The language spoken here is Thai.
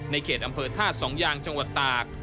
เขตอำเภอท่าสองยางจังหวัดตาก